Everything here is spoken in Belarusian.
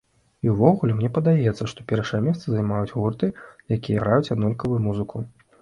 І ўвогуле, мне падаецца, што першае месца займаюць гурты, якія граюць аднолькавую музыку.